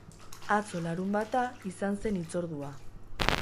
Atzo, larunbata, izan zen hitzordua.